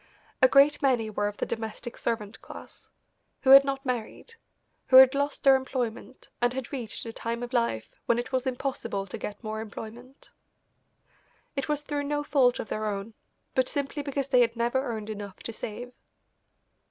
A great many were of the domestic servant class, who had not married, who had lost their employment, and had reached a time of life when it was impossible to get more employment. It was through no fault of their own, but simply because they had never earned enough to save.